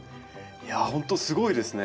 いやあ本当すごいですね。